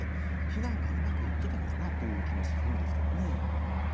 避難がうまくいってたのかなという気もするんですよね。